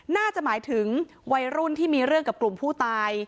น่าจะหมายถึงวัยรุ่นที่มีเรื่องกับกลุ่มผู้ตาย